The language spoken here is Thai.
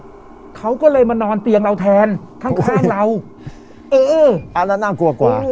เขาก็เลยมานอนเตียงเราแทนข้างข้างเราเอออันนั้นน่ากลัวกว่า